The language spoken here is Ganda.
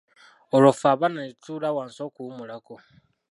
Olwo ffe abana ne tutuula wansi okuwummulako.